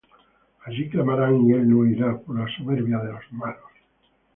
Allí clamarán, y él no oirá, Por la soberbia de los malos.